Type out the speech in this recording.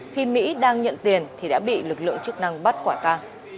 khi mỹ đang nhận tiền thì đã bị lực lượng chức năng bắt quả ca